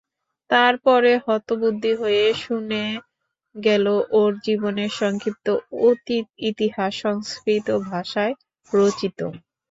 তার পরে হতবুদ্ধি হয়ে শুনে গেল ওর জীবনের সংক্ষিপ্ত অতীত ইতিহাস সংস্কৃত ভাষায় রচিত।